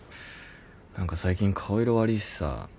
何か最近顔色悪いしさ。